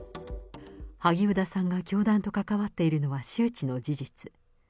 萩生田さんが教団と関わっているのは周知の事実。